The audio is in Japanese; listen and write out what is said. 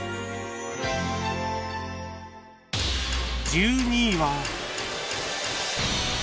１２位は